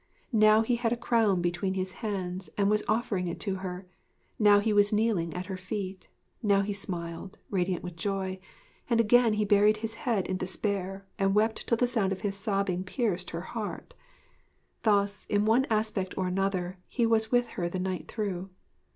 Now he had a crown between his hands and was offering it to her; now he was kneeling at her feet; now he smiled, radiant with joy; and again he buried his head in despair and wept till the sound of his sobbing pierced her heart. Thus, in one aspect or another, he was with her the night through.